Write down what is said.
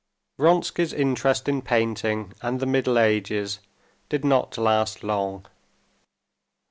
Vronsky's interest in painting and the Middle Ages did not last long.